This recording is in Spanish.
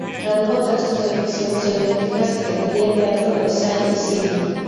Tradujo textos de ficción, semiótica, psiquiatría, teatro, ensayo y cine.